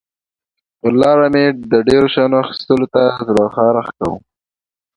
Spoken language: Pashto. پر لاره مې د ډېرو شیانو اخیستلو ته زړه خارښت کاوه.